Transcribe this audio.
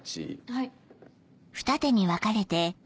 はい。